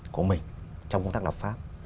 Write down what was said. của mình trong công tác lập pháp